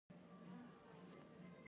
له ختیځه تر لوېدیځه